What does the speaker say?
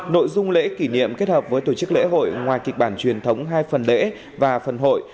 nội dung lễ kỷ niệm kết hợp với tổ chức lễ hội ngoài kịch bản truyền thống hai phần lễ và phần hội